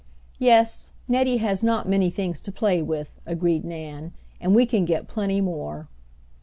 "Yes. Nettie has not many things to play with," agreed Nan, "and we can get plenty more."